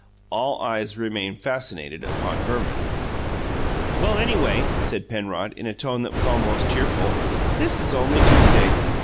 All eyes remained fascinated upon Verman. "Well, anyway," said Penrod, in a tone that was almost cheerful, "this is only Tuesday.